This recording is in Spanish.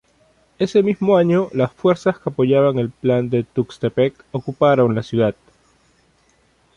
Ese mismo año, las fuerzas que apoyaban el Plan de Tuxtepec ocuparon la ciudad.